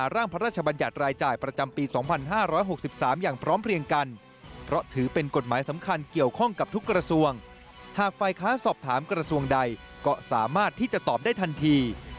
ร้อยกันเหรอถือเป็นกฎหมายสำคัญเกี่ยวข้องกับทุกกระทรวงหากไฟค้าสอบถามกระทรวงใดก็สามารถที่จะตอบได้ทันที